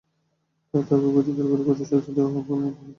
তাদের খুঁজে বের করে কঠোর শাস্তি দেওয়া হবে বলেও তিনি মন্তব্য করেন।